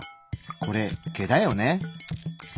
これ毛だよね？